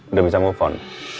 udah bisa move on